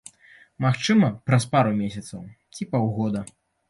Магчыма, праз пару месяцаў, ці паўгода.